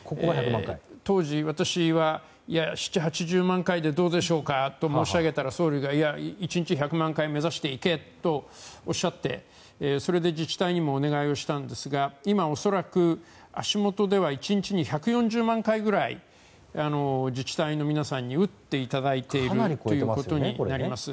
当時私は、７０８０万回でどうでしょうかと申し上げたら総理が１日１００万回を目指していけとおっしゃってそれで自治体にもお願いをしたんですが今、恐らく１日１４０万回ぐらい自治体の皆さんに打っていただいているということになります。